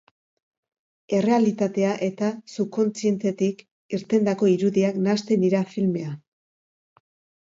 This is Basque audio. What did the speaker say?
Errealitatea eta subkontzientetik irtendako irudiak nahasten dira filmean.